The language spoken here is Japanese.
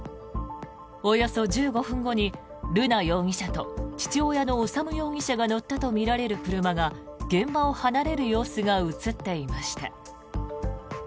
およそ１５分後に瑠奈容疑者と父親の修容疑者が乗ったとみられる車が現場を離れる様子が映っていました。